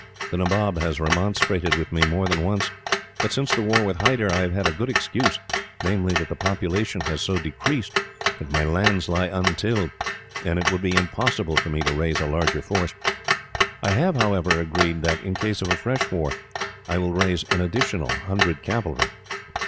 The Nabob has remonstrated with me more than once, but since the war with Hyder I have had a good excuse, namely, that the population has so decreased that my lands lie untilled, and it would be impossible for me to raise a larger force. I have, however, agreed that, in case of a fresh war, I will raise an additional hundred cavalry.